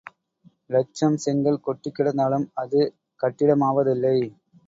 இலட்சம் செங்கல் கொட்டிக்கிடந்தாலும் அது கட்டிடமாவதில்லை.